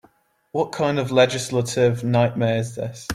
What kind of legislative nightmare is this?